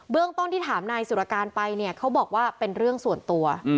เรื่องต้นที่ถามนายสุรการไปเนี่ยเขาบอกว่าเป็นเรื่องส่วนตัว